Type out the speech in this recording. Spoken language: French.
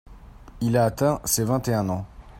Il a atteint ses vingt-et-un ans.